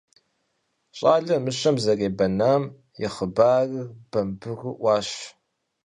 ЩӀалэр мыщэм зэребэнам и хъыбарыр бамбыру Ӏуащ.